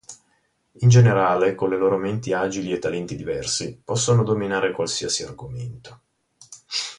In generale, con le loro menti agili e talenti diversi, possono dominare qualsiasi argomento.